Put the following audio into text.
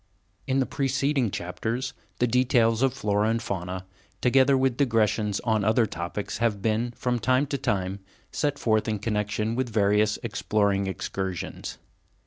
In the preceding chapters, the details of the flora and fauna, together with digressions on other topics, have been, from time to time, set forth in connection with various exploring excursions.